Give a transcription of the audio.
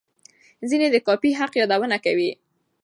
ځینې د کاپي حق یادونه کوي.